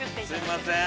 ◆すみません。